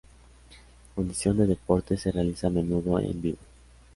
Fundición de Deportes se realiza a menudo en vivo.